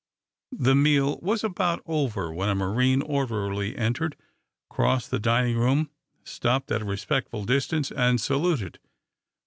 The meal was about over when a marine orderly entered, crossed the dining room, stopped at a respectful distance, and saluted.